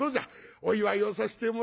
お祝いをさせてもらいますぞ」。